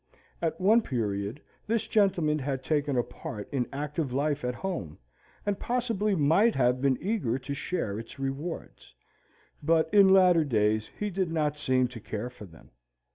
At one period, this gentleman had taken a part in active life at home, and possibly might have been eager to share its rewards; but in latter days he did not seem to care for them.